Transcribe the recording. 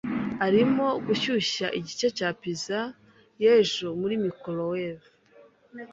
arimo gushyushya igice cya pizza y'ejo muri microwave.